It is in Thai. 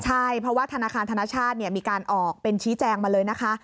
ใช่เพราะว่าธนาคารธนชาติมีการออกเป็นชี้แจงมาเลยนะคะ